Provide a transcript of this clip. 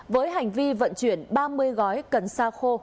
với hành vi vận chuyển ba mươi gói cần xa khô